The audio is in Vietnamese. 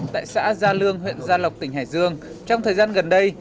tại xã gia lương huyện gia lộc tỉnh hải dương trong thời gian gần đây